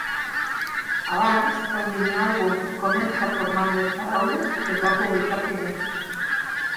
Abans, el mini àlbum "Comença formant les paraules" es va publicar primer.